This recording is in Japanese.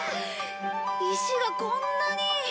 石がこんなに。